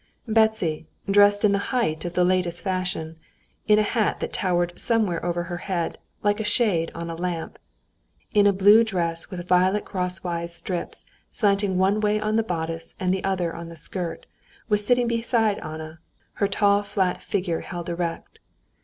Betsy, dressed in the height of the latest fashion, in a hat that towered somewhere over her head like a shade on a lamp, in a blue dress with violet crossway stripes slanting one way on the bodice and the other way on the skirt, was sitting beside Anna, her tall flat figure held erect.